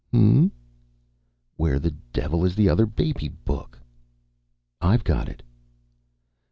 "Hm?" "Where the devil is the other baby book?" "I've got it."